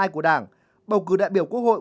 của đảng bầu cử đại biểu quốc hội